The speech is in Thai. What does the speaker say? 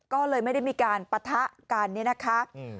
ก็เลยไม่ได้มีการปะทะกันเนี่ยนะคะ